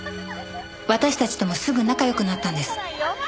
私たちともすぐ仲良くなったんです。